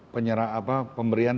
penyerah apa pemberian